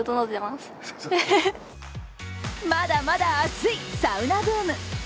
まだまだ熱い、サウナブーム。